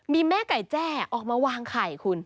มีแม่ไก่แจ้ออกมาวางไข่คุณ